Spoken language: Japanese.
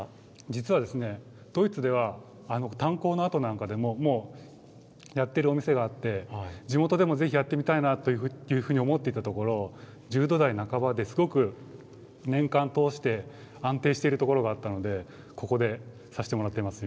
実はドイツでは炭鉱の跡なんかでもやっているお店があって地元でも、ぜひやってみたいなというふうに思っていたところ１０度台半ばですごく年間通して安定しているところがあったのでここでさせてもらっています。